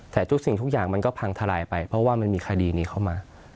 แต่ทุกสิ่งทุกอย่างมันก็พังทลายไปเพราะว่ามันมีคดีนี้เข้ามา